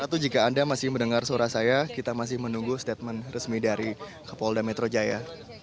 atau jika anda masih mendengar suara saya kita masih menunggu statement resmi dari kapolda metro jaya